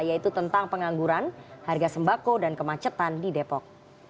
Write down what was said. yaitu tentang pengangguran harga sembako dan kemacetan di depok